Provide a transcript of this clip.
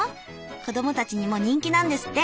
子供たちにも人気なんですって。